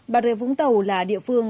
bà rê vũng tàu là địa phương